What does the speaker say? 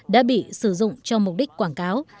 đã bị sử dụng cho mục đích quảng cáo